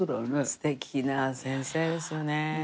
すてきな先生ですよね。